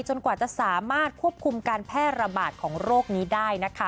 กว่าจะสามารถควบคุมการแพร่ระบาดของโรคนี้ได้นะคะ